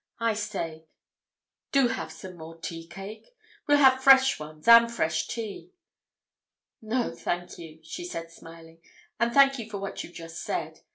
I say, do have some more tea cake? We'll have fresh ones—and fresh tea." "No, thank you," she said smiling. "And thank you for what you've just said.